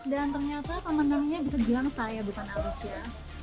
dan ternyata temen temennya bisa bilang saya bukan alicia